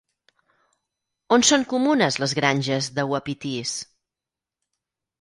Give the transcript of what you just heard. On són comunes les granges de uapitís?